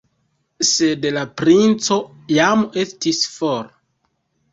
Sed la princo jam estis for.